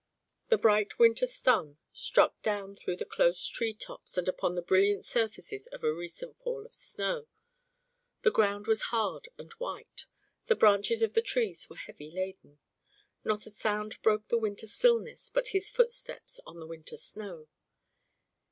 The bright winter sun struck down through the close tree tops and upon the brilliant surfaces of a recent fall of snow. The ground was hard and white; the branches of the trees were heavy laden. Not a sound broke the winter stillness but his footsteps on the winter snow.